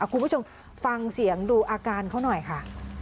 คุณผู้ชมฟังเสียงดูอาการเขาหน่อยค่ะ